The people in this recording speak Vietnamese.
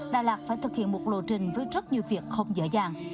đà lạt phải thực hiện một lộ trình với rất nhiều việc không dễ dàng